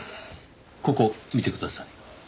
ここ見てください。